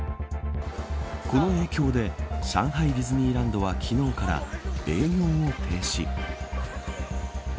この影響で上海ディズニーランドは昨日から営業を停止。